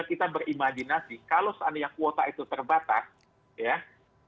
kita berimajinasi kalau seandainya kuota itu terbatas ya